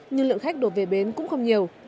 nhưng lượng khách đột về bến cũng không nhiều